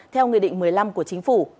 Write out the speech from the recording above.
theo nghị định một mươi năm của chính phủ